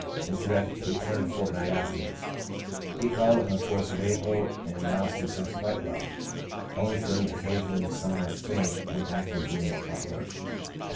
Is directed to return a fortnight afterwards. He called on the 4th of April, and announced himself quite well, only feeling occasionally somewhat faint when actively at work.